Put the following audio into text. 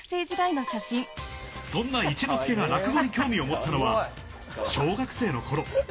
そんな一之輔が落語に興味を持ったのは小学生のころ。